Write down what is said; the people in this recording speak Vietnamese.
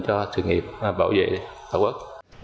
cho sự nghiệp bảo vệ tổ quốc